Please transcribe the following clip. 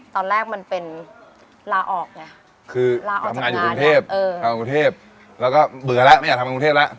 ตอนแรกมันเป็นลาออกแงะคือทำงานอยู่กรุงเทพแล้วก็เบื่อแล้วนะทำกรุงเทพแล้ว